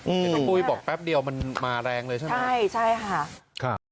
อืมบอกแป๊บเดียวมันมาแรงเลยใช่ไหมใช่ใช่ค่ะค่ะ